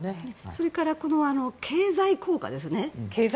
それから経済効果ですね。